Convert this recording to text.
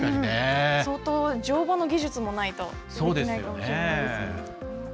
相当、乗馬の技術もないとできないかもしれないです。